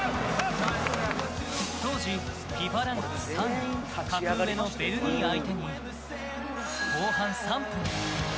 当時、ＦＩＦＡランク３位格上のベルギー相手に後半３分。